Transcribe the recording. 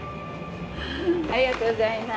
ありがとうございます。